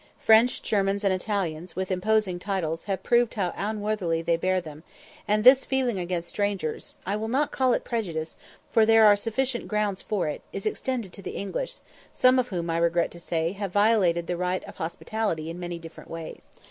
French, Germans, and Italians, with imposing titles, have proved how unworthily they bear them; and this feeling against strangers I will not call it prejudice, for there are sufficient grounds for it is extended to the English, some of whom, I regret to say, have violated the rights of hospitality in many different ways.